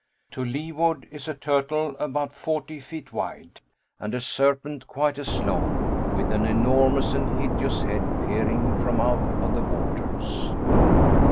To leeward is a turtle about forty feet wide, and a serpent quite as long, with an enormous and hideous head peering from out the waters.